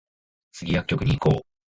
スギ薬局に行こう